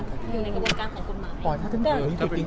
อยู่ในกระบวนการของกฎหมาย